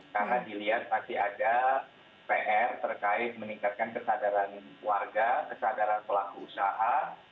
karena dilihat pasti ada pr terkait meningkatkan kesadaran warga kesadaran pelaku usaha